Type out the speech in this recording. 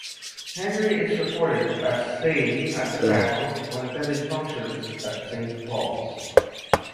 Henry is recorded as staying at the castle when attending functions at Saint Paul's.